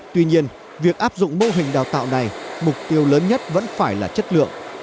tuy nhiên việc áp dụng mô hình đào tạo này mục tiêu lớn nhất vẫn phải là chất lượng